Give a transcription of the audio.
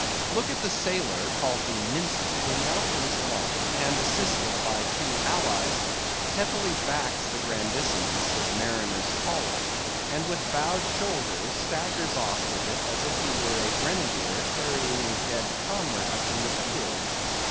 Look at the sailor, called the mincer, who now comes along, and assisted by two allies, heavily backs the grandissimus, as the mariners call it, and with bowed shoulders, staggers off with it as if he were a grenadier carrying a dead comrade from the field.